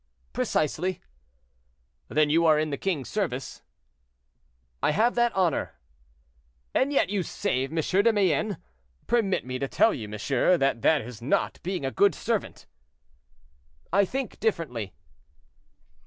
"Precisely." "Then you are in the king's service?" "I have that honor." "And yet you save M. de Mayenne? Permit me to tell you, monsieur, that that is not being a good servant." "I think differently."